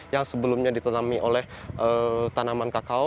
yang sebelumnya ditanami oleh tanaman kakao